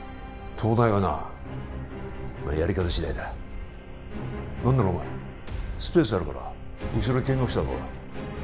東大はなまあやり方次第だ何ならお前らスペースあるから後ろで見学したらどうだ？